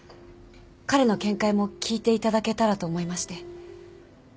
彼の見解も聞いていただけたらと思いまして。